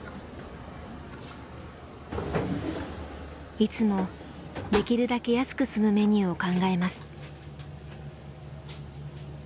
いつもできるだけ安く済むメニューを考えます。